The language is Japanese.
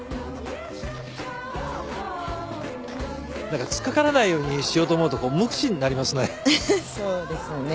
何か突っ掛からないようにしようと思うとこう無口になりますね。